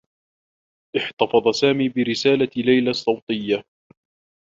احتفظ سامي برسالة ليلى الصّوتيّة.